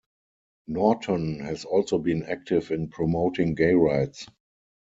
Norton has also been active in promoting gay rights.